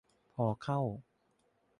พอเข้า